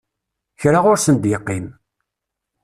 Kra ur sen-d-yeqqim.